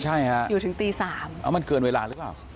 ใช่ค่ะมันเกินเวลาหรือเปล่า